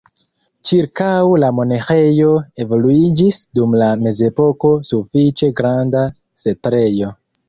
Ĉirkaŭ la monaĥejo evoluiĝis dum la mezepoko sufiĉe granda setlejo.